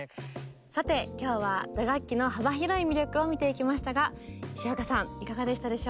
さて今日は打楽器の幅広い魅力を見ていきましたが石若さんいかがでしたでしょうか？